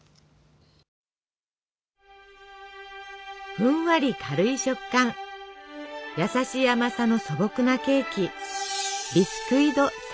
ふんわり軽い食感やさしい甘さの素朴なケーキ。